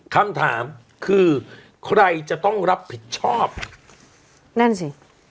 คำถามคือใครจะต้องรับผิดชอบนั่นสิ